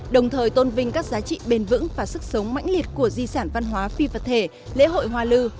đồng thời tôn vinh các giá trị bền vững và sức sống mãnh liệt của di sản văn hóa phi vật thể lễ hội hoa lư